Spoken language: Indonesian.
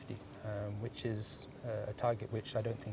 yang adalah target yang tidak